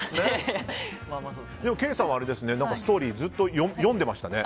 ケイさんはストーリーずっと読んでましたね。